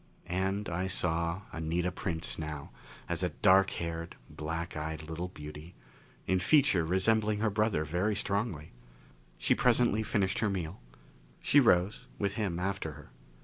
And I saw Anita Prince now as a dark haired, black eyed little beauty, in feature resembling her brother very strongly. She presently finished her meal. She rose, with him after her.